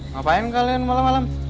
ngapain kalian malam malam